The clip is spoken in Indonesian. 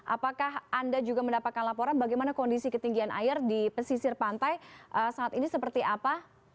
apakah anda juga mendapatkan laporan bagaimana kondisi ketinggian air di pesisir pantai saat ini seperti apa